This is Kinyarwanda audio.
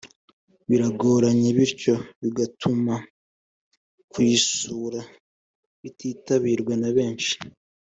bigoranye bityo bigatuma kuyisura bititabirwa na benshi